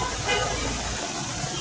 kota yang terkenal dengan